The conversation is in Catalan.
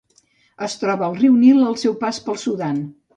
Es troba al riu Nil al seu pas pel Sudan.